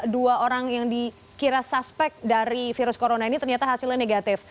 dua orang yang dikira suspek dari virus corona ini ternyata hasilnya negatif